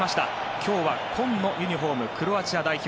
今日は紺のユニホームクロアチア代表。